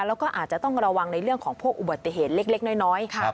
แล้วก็อาจจะต้องระวังในเรื่องของพวกอุบัติเหตุเล็กน้อย